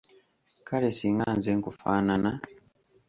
Kale singa nze nkufaanana.